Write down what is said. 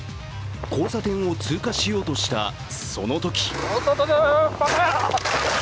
交差点を通過しようとした、そのとき！